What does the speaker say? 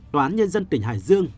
tòa án nhân dân tỉnh hải dương